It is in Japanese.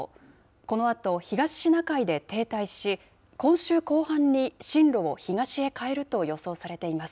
このあと、東シナ海で停滞し、今週後半に進路を東へ変えると予想されています。